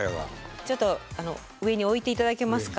ちょっと上に置いて頂けますか。